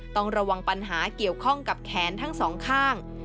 ต้องระวังปัญหาเกี่ยวข้องกับแขนทั้งสองข้าง